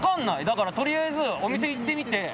だから取りあえずお店行ってみて。